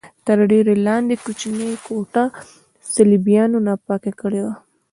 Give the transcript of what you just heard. تر ډبرې لاندې کوچنۍ کوټه صلیبیانو ناپاکه کړې وه.